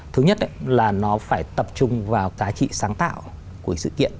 thứ nhất là nó phải tập trung vào giá trị sáng tạo của sự kiện